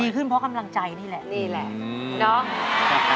ดีขึ้นเพราะคำลังใจนี่แหละ